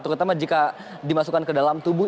terutama jika dimasukkan ke dalam tubuh